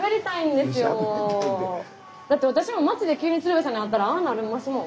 だって私も町で急に鶴瓶さんに会ったらああなりますもん。